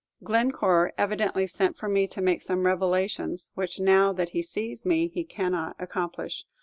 Glencore evidently sent for me to make some revelations, which, now that he sees me, he cannot accomplish.